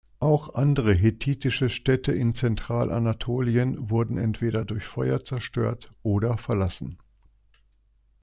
Auch andere hethitische Städte in Zentral-Anatolien wurden entweder durch Feuer zerstört oder verlassen.